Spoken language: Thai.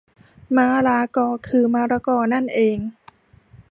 ม้าล้ากอ คือมะละกอนั่นเอง